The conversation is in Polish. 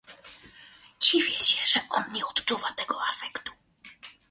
"Dziwię się, że on nie odczuwa tego afektu."